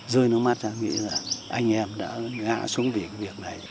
rơi nước mắt ra nghĩ rằng anh em đã ngã xuống việc này